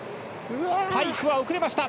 パイクは遅れました！